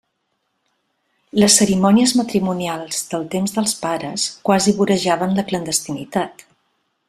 Les cerimònies matrimonials del temps dels pares quasi vorejaven la clandestinitat.